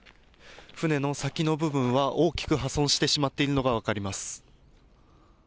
船の先の部分は大きく破損してしまっているのが分かります。